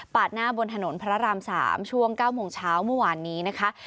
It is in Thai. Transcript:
หน้าบนถนนพระราม๓ช่วง๙โมงเช้าเมื่อวานนี้นะคะ